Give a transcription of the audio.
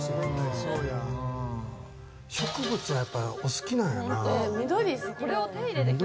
植物はやっぱお好きなんやろうな。